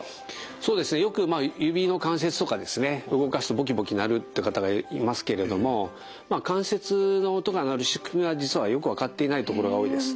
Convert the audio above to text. そうですねよく指の関節とかですね動かすとボキボキ鳴るって方がいますけれども関節の音が鳴る仕組みは実はよく分かっていないところが多いです。